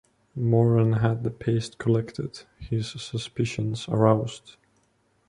Moran had the paste collected, his suspicions aroused.